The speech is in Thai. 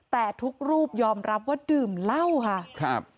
แต่ทุกรูปยอมรับว่าดื่มเหล้าค่ะครับ